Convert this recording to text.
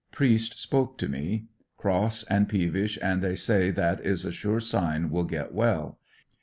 Priest spoke to me. Cross and peevish and they say that is a sure sign will get well.